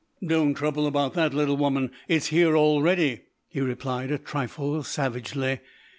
"Don't trouble about that, little woman, it's here already," he replied, a trifle savagely.